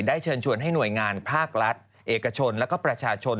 เชิญชวนให้หน่วยงานภาครัฐเอกชนและก็ประชาชน